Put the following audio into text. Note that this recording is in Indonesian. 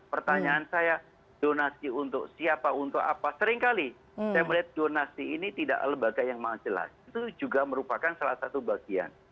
pertanyaan saya donasi untuk siapa untuk apa seringkali saya melihat donasi ini tidak lembaga yang sangat jelas itu juga merupakan salah satu bagian